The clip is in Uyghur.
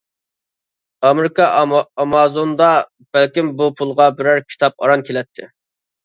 ئامېرىكا ئامازوندا بەلكىم بۇ پۇلغا بىرەر كىتاب ئاران كېلەتتى.